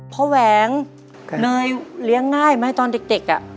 พ่อแหวงโน้ยเหล้งง่ายไหมตอนเด็กอะ